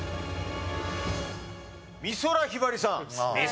美空ひばりさん